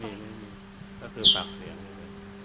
ไม่มีก็คือบรักเสียงกันเลย